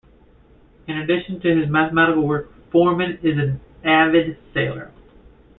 In addition to his mathematical work, Foreman is an avid sailor.